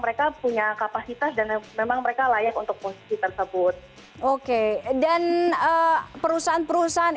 mereka punya kapasitas dan memang mereka layak untuk posisi tersebut oke dan perusahaan perusahaan